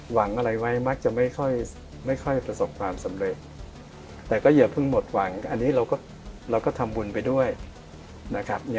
หวังอะไรไว้มักจะไม่ค่อยประสบความสำเร็จแต่ก็อย่าเพิ่งหมดหวังอันนี้เราก็ทำบุญไปด้วยนะครับ